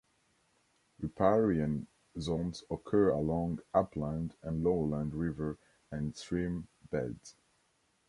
Riparian zones occur along upland and lowland river and stream beds.